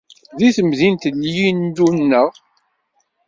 Di temdint n Yillu-nneɣ.